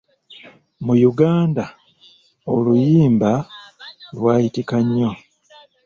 Mu Uganda, oluyimba lwayitika nnyo.